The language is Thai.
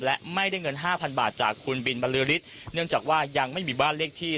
และไม่ได้เงินห้าพันบาทจากคุณบินบรรลือฤทธิ์เนื่องจากว่ายังไม่มีบ้านเลขที่